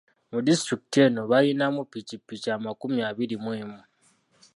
Mu disitulikiti eno balinamu ppikipiki amakumi abiri mu emu.